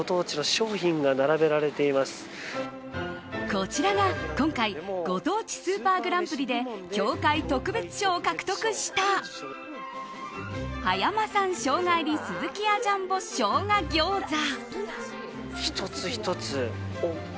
こちらが今回ご当地スーパーグランプリで協会特別賞を獲得した葉山産生姜入りスズキヤジャンボ生姜餃子。